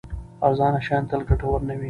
ارزانه شیان تل ګټور نه وي.